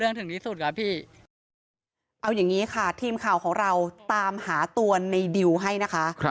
เอาอย่างนี้ค่ะทีมข่าวของเราตามหาตัวในดิวให้นะคะ